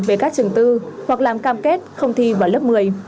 về các trường tư hoặc làm cam kết không thi vào lớp một mươi